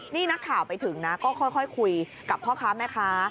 นี่นักข่าวไปถึงนะก็ค่อยคุยกับพ่อค้าแม่ค้า